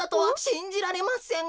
しんじられません。